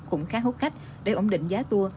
cũng khá hút khách để ổn định giá tour